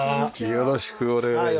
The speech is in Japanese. よろしくお願いします。